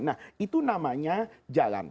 nah itu namanya jalan